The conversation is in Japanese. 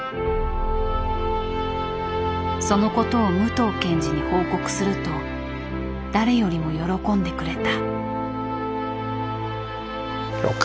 そのことを武藤検事に報告すると誰よりも喜んでくれた。